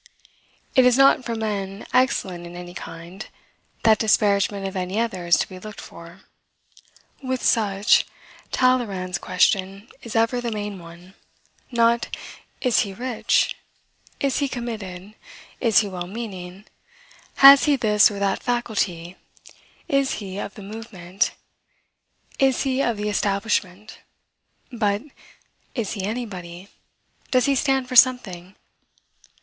It is not from men excellent in any kind, that disparagement of any other is to be looked for. With such, Talleyrand's question is ever the main one; not, is he rich? is he committed? is he well meaning? has he this or that faculty? is he of the movement? is he of the establishment? but, Is he anybody? does he stand for something?